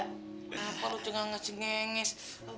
kenapa lu cengenges